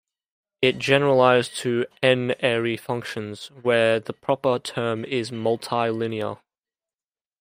It generalizes to "n"-ary functions, where the proper term is "multilinear".